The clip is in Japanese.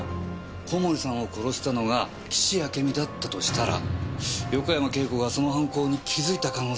小森さんを殺したのが岸あけみだったとしたら横山慶子がその犯行に気付いた可能性もありますよね。